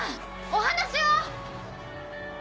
お話を！